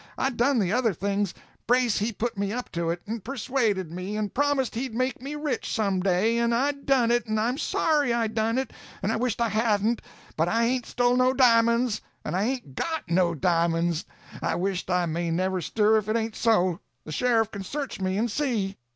I done the other things—Brace he put me up to it, and persuaded me, and promised he'd make me rich, some day, and I done it, and I'm sorry I done it, and I wisht I hadn't; but I hain't stole no di'monds, and I hain't got no di'monds; I wisht I may never stir if it ain't so. The sheriff can search me and see."